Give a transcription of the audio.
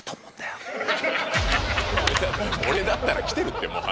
俺だったらきてるってもう話。